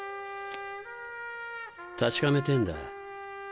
確かめてぇんだ。